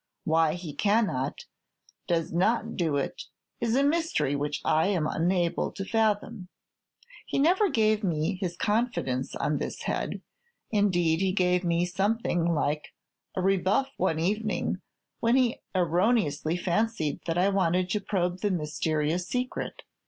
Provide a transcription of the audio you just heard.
Why he cannot, does not do it, is a mystery which I am unable to fathom. He never gave me his confidence on this head; indeed, he gave me something like a rebuff one evening, when he erroneously fancied that I wanted to probe the mysterious secret.